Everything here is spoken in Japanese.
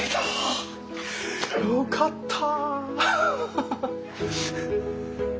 よかった。